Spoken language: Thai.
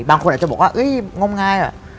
บางคนอาจจะบอกว่าเห้ยงงงาย